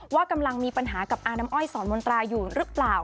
ว่ากำลังมีปัญหากับอาน้ำอ้อยสอนมนตราอยู่หรือเปล่า